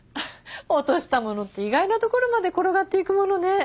落としたものって意外なところまで転がっていくものね。